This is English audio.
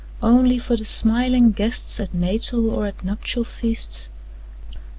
Only for the smiling guests At natal or at nuptial feasts?